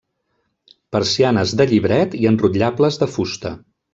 Persianes de llibret i enrotllables de fusta.